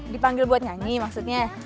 dipanggil buat nyanyi maksudnya